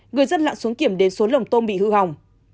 người dân lặn xuống kiểm đến số lồng tôm bị hư hỏng